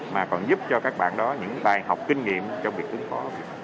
mà còn giúp cho các bạn đó những bài học kinh nghiệm trong việc ứng phó